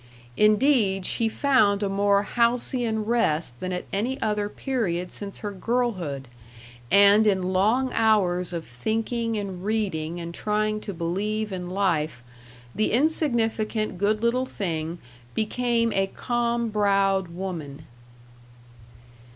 Indeed she found a more halcyon rest than at any other period since her girlhood; and in long hours of thinking and reading and trying to believe in life, the insignificant good little thing became a calm browed woman.